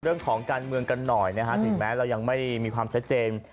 เรื่องของการเมืองกันหน่อยนะฮะถึงแม้เรายังไม่มีความชัดเจน